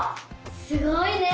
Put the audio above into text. すごいね！